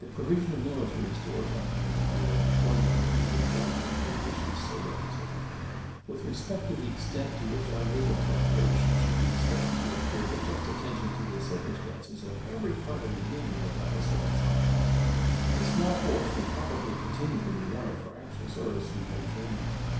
The provision of military stores on hand will be laid before you, that you may judge of the additions still requisite. With respect to the extent to which our naval preparations should be expected to appear, but just attention to the circumstances of every part of the Union will doubtless reconcile all. A small force will probably continue to be wanted for actual service in the Mediterranean.